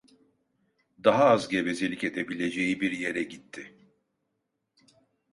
Daha az gevezelik edebileceği bir yere gitti.